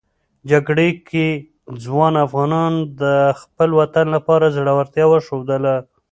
جګړې کې ځوان افغانان د خپل وطن لپاره زړورتیا وښودله.